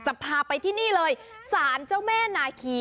พาไปที่นี่เลยสารเจ้าแม่นาคี